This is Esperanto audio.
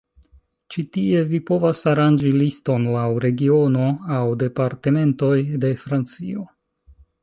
Ĉi tie, vi povas aranĝi liston laŭ regiono aŭ Departementoj de Francio.